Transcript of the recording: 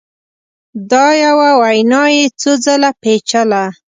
دا یوه وینا یې څو ځله پېچله